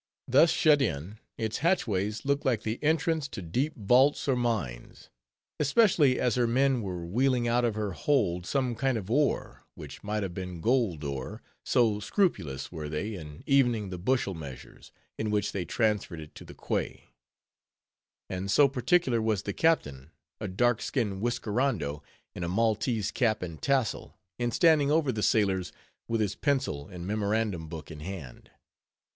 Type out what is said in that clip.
Thus shut in, its hatchways looked like the entrance to deep vaults or mines; especially as her men were wheeling out of her hold some kind of ore, which might have been gold ore, so scrupulous were they in evening the bushel measures, in which they transferred it to the quay; and so particular was the captain, a dark skinned whiskerando, in a Maltese cap and tassel, in standing over the sailors, with his pencil and memorandum book in hand.